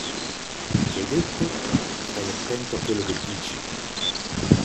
Che hai detto? Stai attento a quello che dici!